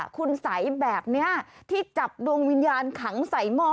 คุณสัยแบบนี้ที่จับดวงวิญญาณขังใส่หม้อ